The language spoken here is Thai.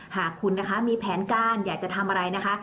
หากคุณนะคะมีแผนการอยากจะทำอะไรนะคะ